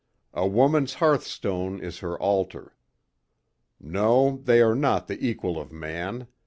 A woman's hearthstone is her altar. No, they are not the equal of man.